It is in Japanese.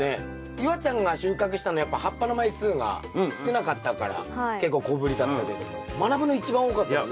夕空ちゃんが収穫したのはやっぱ葉っぱの枚数が少なかったから結構小ぶりだったけどもまなぶの一番多かったもんね